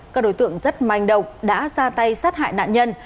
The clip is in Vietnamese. các đối tượng rất manh động đã ra tay sát hại nạn nhân